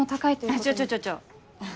ああちょちょちょちょ。